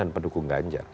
dan pendukung ganjar